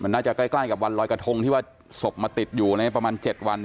น่าจะใกล้กับวันรอยกระทงที่ว่าศพมาติดอยู่ในประมาณ๗วัน